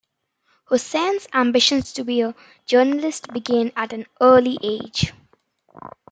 Hossain's ambitions to be a journalist began at an early age.